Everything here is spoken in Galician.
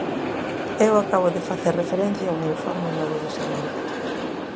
Eu acabo de facer referencia a un informe logo do seguimento.